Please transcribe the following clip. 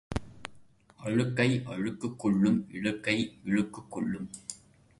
அழுக்கை அழுக்குக் கொல்லும் இழுக்கை இழுக்குக் கொல்லும்.